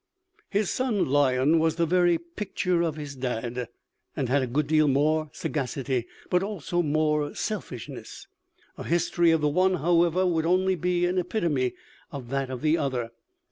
"His son Lion was the very picture of his dad, had a good deal more sagacity, but also more selfishness. A history of the one, however, would only be an epitome of that of the other.